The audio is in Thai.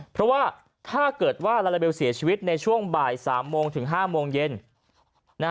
เพราะว่าถ้าเกิดว่าลาลาเบลเสียชีวิตในช่วงบ่าย๓โมงถึง๕โมงเย็น